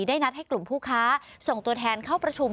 ได้นัดให้กลุ่มผู้ค้าส่งตัวแทนเข้าประชุม